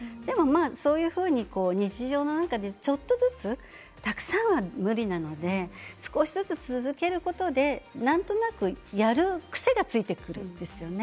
そういうふうに日常の中でちょっとずつたくさんは無理なので少しずつ続けることでなんとなくやる癖がついてくるんですよね。